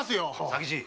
佐吉！